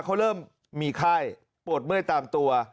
เขาเริ่มมีไข้ปวดเมื่อยตามตัว